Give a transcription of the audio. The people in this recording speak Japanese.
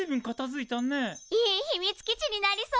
いい秘密基地になりそう！